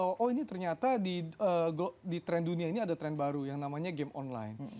oh ini ternyata di tren dunia ini ada tren baru yang namanya game online